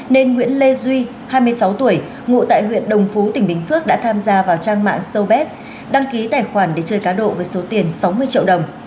nên nguyễn lê duy hai mươi sáu tuổi ngụ tại huyện đồng phú tỉnh bình phước đã tham gia vào trang mạng swbet đăng ký tài khoản để chơi cá độ với số tiền sáu mươi triệu đồng